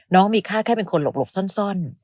มีค่าแค่เป็นคนหลบซ่อน